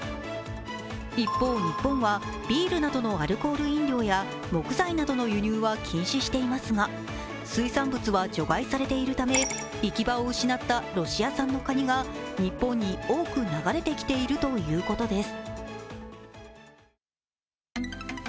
一方、日本はビールなどのアルコール飲料や木材などの輸入は禁止していますが、水産物は除外されているため行き場を失ったロシア産のカニが日本に多く流れてきているということです。